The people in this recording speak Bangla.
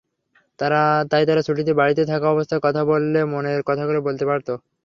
তাই তারা ছুটিতে বাড়িতে থাকা অবস্থায় কথা বললে মনের কথাগুলো বলতে পারত।